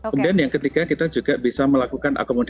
kemudian yang ketiga kita juga bisa melakukan akomodasi